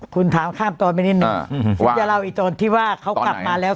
คุณถามข้ามตอนไปนิดนึงผมจะเล่าอีกตอนที่ว่าเขากลับมาแล้ว